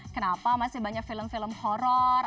kenapa masih banyak film film horror